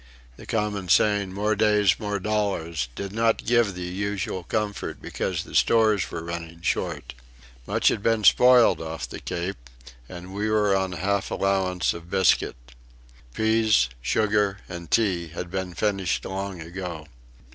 The common saying, "More days, more dollars," did not give the usual comfort because the stores were running short. Much had been spoiled off the Cape, and we were on half allowance of biscuit. Peas, sugar and tea had been finished long ago.